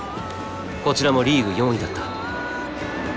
こちらもリーグ４位だった。